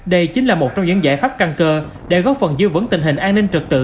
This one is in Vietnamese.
đây chính là một trong những giải pháp căn cơ để góp phần dư vấn tình hình an ninh trật tự